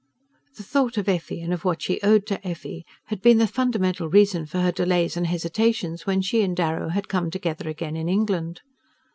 The thought of Effie, and of what she owed to Effie, had been the fundamental reason for her delays and hesitations when she and Darrow had come together again in England.